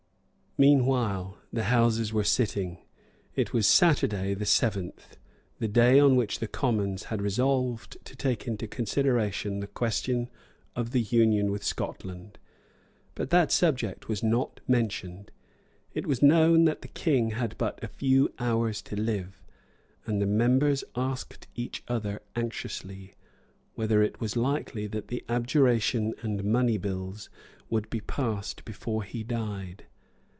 Meanwhile the Houses were sitting. It was Saturday, the seventh, the day on which the Commons had resolved to take into consideration the question of the union with Scotland. But that subject was not mentioned. It was known that the King had but a few hours to live; and the members asked each other anxiously whether it was likely that the Abjuration and money bills would be passed before he died.